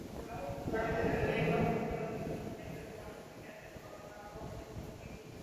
El plumaje es principalmente negro azulado iridiscente con las primarias de color marrón rojizo.